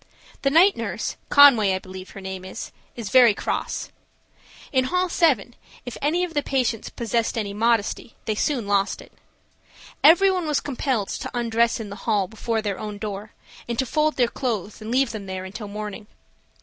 The night nurse, Conway I believe her name is, is very cross. In hall 7, if any of the patients possessed any modesty, they soon lost it. Every one was compelled to undress in the hall before their own door, and to fold their clothes and leave them there until morning.